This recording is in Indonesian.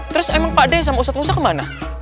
terus emang pak d sama ustadz musa kemana